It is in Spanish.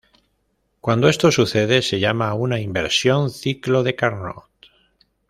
Cuando esto sucede, se llama una inversión ciclo de Carnot.